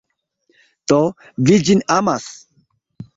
Do, vi ĝin amas?